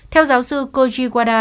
theo giáo sư kojiwada